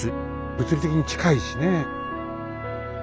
物理的に近いしねえ。